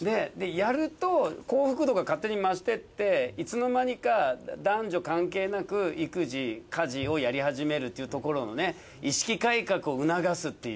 やると幸福度が勝手に増してっていつの間にか男女関係なく育児家事をやりはじめるっていうところの意識改革を促すっていう。